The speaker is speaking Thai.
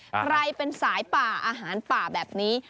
ใครเป็นสายป่าอาหารป่าแบบนี้